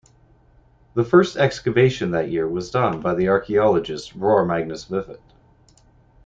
The first excavation that year was done by the Archaeologist Bror Magnus Vifot.